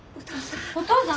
お父さん。